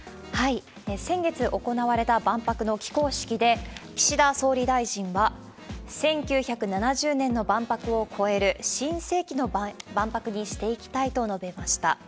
先月行われた万博の起工式で、岸田総理大臣は、１９７０年の万博を超える新世紀の万博にしていきたいと述べました。